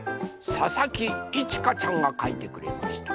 ささきいちかちゃんがかいてくれました。